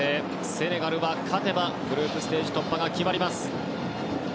セネガルは、勝てばグループステージ突破が決まります。